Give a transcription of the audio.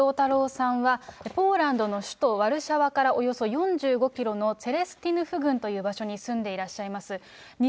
坂本龍太朗さんは、ポーランドの首都ワルシャワからおよそ４５キロのツェレスティヌフ郡という場所に住んでいらっしゃいます。